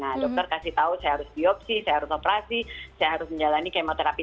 nah dokter kasih tahu saya harus biopsi saya harus operasi saya harus menjalani kemoterapi